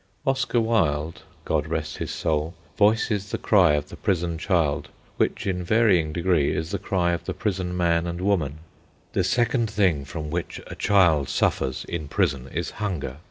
Oscar Wilde, God rest his soul, voices the cry of the prison child, which, in varying degree, is the cry of the prison man and woman:— "The second thing from which a child suffers in prison is hunger.